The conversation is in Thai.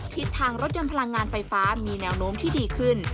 ทิศทางรถยนต์พลังงานไฟฟ้ามีแนวโน้มที่ดีขึ้น